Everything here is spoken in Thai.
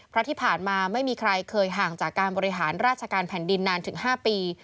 เพราะที่ผ่านมาไม่มีใครเคยห่างจากการบริหารราชการแผ่นดินนานถึง๕ปี